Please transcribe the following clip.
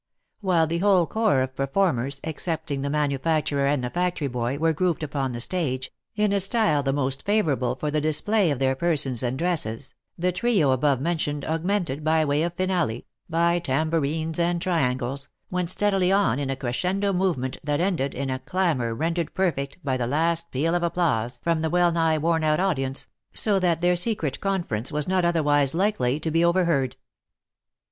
While the whole corps of performers, excepting the manufacturer and the factory boy, were grouped upon the stage, in a style the most favourable for the display of their persons and dresses, the trio above mentioned augmented, by way of finale, by tambourines and triangles, went steadily on in a crescendo movement that ended in a clamour rendered perfect by the last peal of applause from the wellnigh worn out audience, so that their secret conference was not otherwise likely to be overheard.